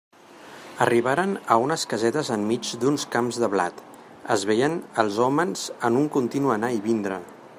Arribaren a unes casetes enmig d'uns camps de blat; es veien els hòmens en un continu anar i vindre.